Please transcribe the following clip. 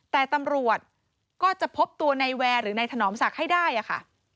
แต่ตำรวจก็จะพบตัวในแวร์หรือนายถนอมศักดิ์ให้ได้ค่ะ